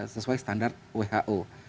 sesuai standar who